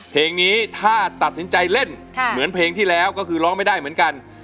เพลงนี้ถ้าตัดสินใจเล่นเหมือนเพลงที่แล้วก็คือร้องไม่ได้เหมือนกัน